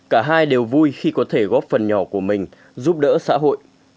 cả hai đều vui khi có thể góp phần nhỏ của mình giúp đỡ xã hội